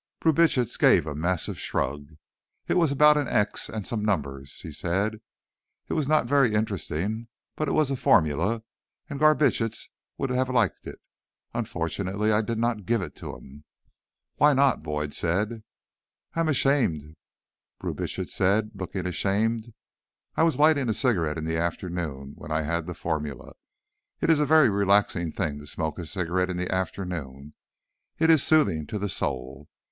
Brubitsch gave a massive shrug. "It was about an X and some numbers," he said. "It was not very interesting, but it was a formula, and Garbitsch would have liked it. Unfortunately, I did not give it to him." "Why not?" Boyd said. "I am ashamed," Brubitsch said, looking ashamed. "I was lighting a cigarette in the afternoon, when I had the formula. It is a very relaxing thing to smoke a cigarette in the afternoon. It is soothing to the soul."